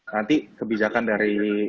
nanti kebijakan dari